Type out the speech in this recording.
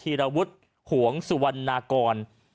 ีรวุฒิหวงสุวรรณากร